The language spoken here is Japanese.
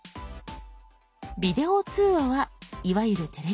「ビデオ通話」はいわゆるテレビ電話。